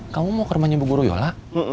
kamu mau ke rumahnya bu guruyola